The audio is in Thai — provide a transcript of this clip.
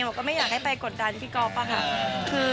ก็ไม่อยากให้ไปกดดันพี่ก๊อฟอะค่ะ